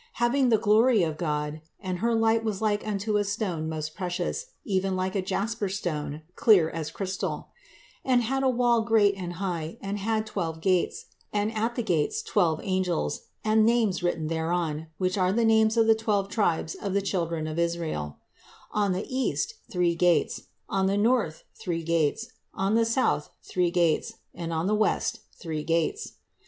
Having the glory of God: and her light was like unto a stone most precious, even like a jasper stone, clear as crystal; And had a wall great and high, and had twelve gates, and at the gates twelve angels, and names written thereon, which are the names of the twelve tribes of the children of Israel: On the east, three gates; on the north, three gates; on the south, three gates; and on the west, three gates.